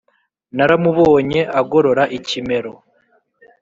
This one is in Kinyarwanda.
naramubonye agorora ikimero,